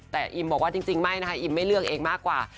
แต่อิมบอกว่าจริงไม่นะคะอิมไม่เลือกเองมากกว่า